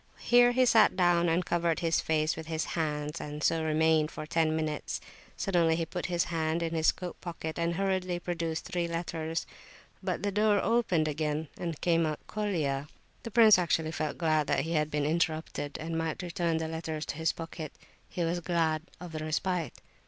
Here he sat down and covered his face with his hands, and so remained for ten minutes. Suddenly he put his hand in his coat pocket and hurriedly produced three letters. But the door opened again, and out came Colia. The prince actually felt glad that he had been interrupted,—and might return the letters to his pocket. He was glad of the respite.